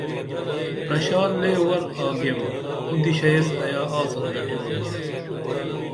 پرشا لے ور آگیم اُدیشہ ایس ایا آڅن گھٹِنُم تا